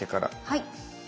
はい。